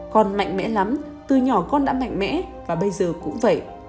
còn mạnh mẽ lắm từ nhỏ con đã mạnh mẽ và bây giờ cũng vậy